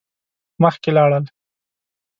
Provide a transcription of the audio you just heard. مخکی لاړل.